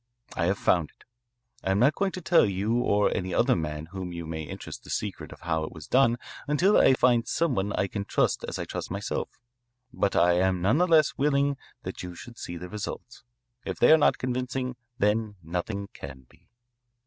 I have found it. I am not going to tell you or any other man whom you may interest the secret of how it is done until I find some one I can trust as I trust myself. But I am none the less willing that you should see the results. If they are not convincing, then nothing can be."